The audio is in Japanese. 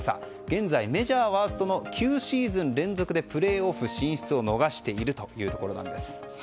現在、メジャーワーストの９シーズン連続でプレーオフ進出を逃しているというところなんです。